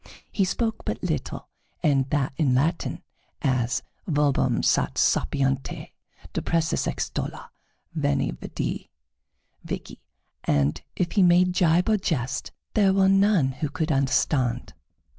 He spoke but little, and that in Latin, as "Verbum sat sapienti; depressus extollor; veni, vidi, vici;" and if he made gibe or jest, there were none who could understand.